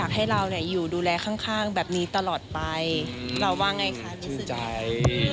จำเป็นแห่งคลิปด้วย